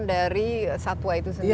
dari satwa itu sendiri